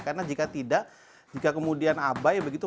karena jika tidak jika kemudian abai begitu